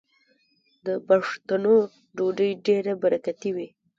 د پښتنو ډوډۍ ډیره برکتي وي.